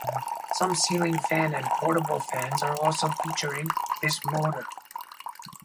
Some ceiling fan and portable fans are also featuring this motor.